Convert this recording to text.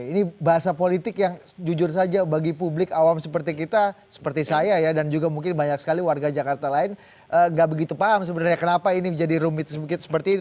jadi ada politik yang jujur saja bagi publik awam seperti kita seperti saya ya dan juga mungkin banyak sekali warga jakarta lain gak begitu paham sebenarnya kenapa ini jadi rumit seperti ini